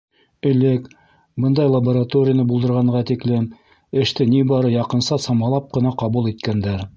Элек, бындай лабораторияны булдырғанға тиклем, эште ни бары яҡынса самалап ҡына ҡабул иткәндәр.